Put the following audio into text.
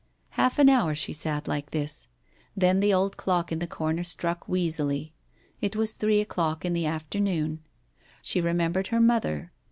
Half an hour she sat like this. TJien the ol"d clock in the corner struck wheezily. It was three o'clock in the afternoon. She remembered her mother.